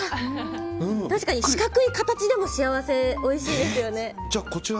確かに四角い形でも幸せ、おいしいですよね。